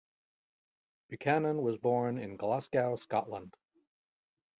Buchanan was born in Glasgow, Scotland.